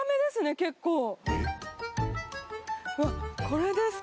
結構これですか？